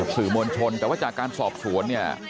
สื่อมวลชนแต่ว่าจากการสอบสวนเนี่ย